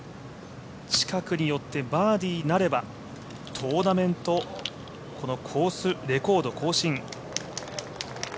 近くに寄ってバーディーなれば、トーナメントコースレコード更新。